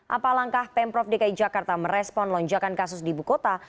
apa langkah pemprov dki jakarta merespon lonjakan kasus di ibu kota